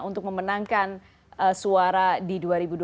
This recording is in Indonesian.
untuk memenangkan suara di dua ribu dua puluh